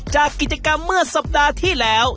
จากกิจกรรมเมื่อสัปดาห์ที่แล้ว